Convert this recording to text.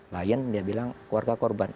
lion dia bilang keluarga korban